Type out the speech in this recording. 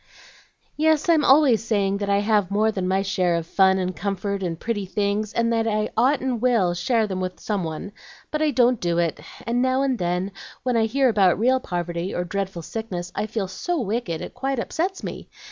"Yes, I'm always saying that I have more than my share of fun and comfort and pretty things, and that I ought and will share them with some one. But I don't do it; and now and then, when I hear about real poverty, or dreadful sickness, I feel so wicked it quite upsets me.